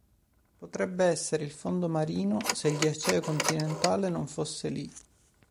Potrebbe essere il fondo marino se il ghiacciaio continentale non fosse li.